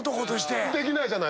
できないじゃないですか！